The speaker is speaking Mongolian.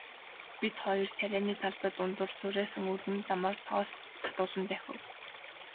Бид хоёр тарианы талбай дундуур зурайсан өргөн замаар тоос татуулан давхив.